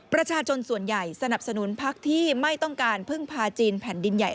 ประชาชนส่วนใหญ่สนับสนุนพักที่ไม่ต้องการพึ่งพาจีนแผ่นดินใหญ่